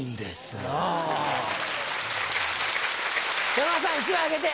山田さん１枚あげて。